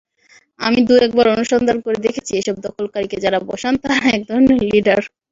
আমি দু-একবার অনুসন্ধান করে দেখেছি, এসব দখলকারীকে যাঁরা বসান, তঁারা একধরনের লিডার।